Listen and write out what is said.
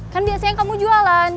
kan biasanya kamu jualan